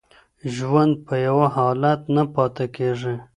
ژوند په یوه حالت نه پاتې کیږي.